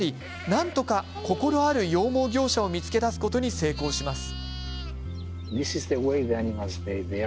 なんとか心ある羊毛業者を見つけ出すことに成功します。